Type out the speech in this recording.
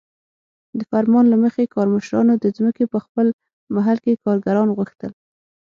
د فرمان له مخې کارمشرانو د ځمکې په خپل محل کې کارګران غوښتل.